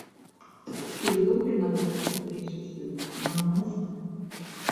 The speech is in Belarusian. І зроблена гэта, лічыць ён, наўмысна.